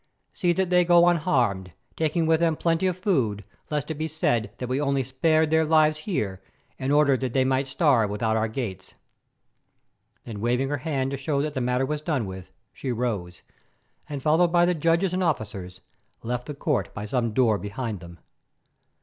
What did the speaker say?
See that they go unharmed, taking with them plenty of food lest it be said that we only spared their lives here in order that they might starve without our gates." Then waving her hand to show that the matter was done with, she rose and, followed by the judges and officers, left the court by some door behind them.